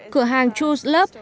cửa hàng choose love